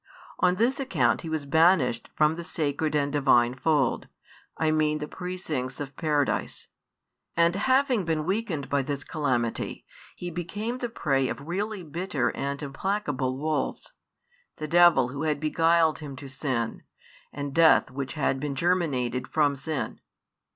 On this account he was banished from the sacred and Divine fold, I mean the precincts of Paradise; and having been weakened by this calamity, he became the prey of really bitter and implacable wolves, the devil who had beguiled him to sin, and death which had been germinated from sin.